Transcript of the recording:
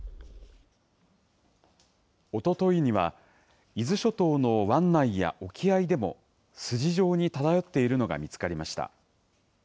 おとといには、伊豆諸島の湾内や沖合でも、筋状に漂っているのが見つかりました。